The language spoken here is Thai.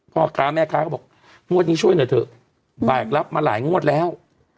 พ่อค้าแม่ค้าก็บอกงวดนี้ช่วยหน่อยเถอะแบกรับมาหลายงวดแล้ว